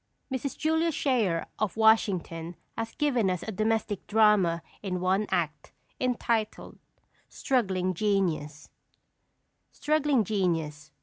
Mrs. Julia Schayer, of Washington, has given us a domestic drama in one act, entitled Struggling Genius. STRUGGLING GENIUS.